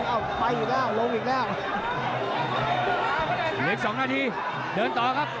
รออยู่แล้วลงอีกแล้วเดินสองนาทีเดินต่อครับ